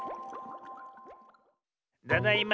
ただいま。